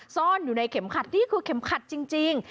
ซ่อนอยู่ในเข็มขัดนี่คือเข็มขัดจริง